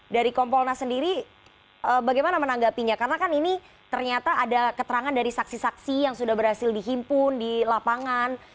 dari kompolnas sendiri bagaimana menanggapinya karena kan ini ternyata ada keterangan dari saksi saksi yang sudah berhasil dihimpun di lapangan